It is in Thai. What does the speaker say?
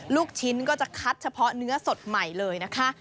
ลูกชิ้นก็จะคัดเฉพาะเนื้อสดใหม่เลยนะคะ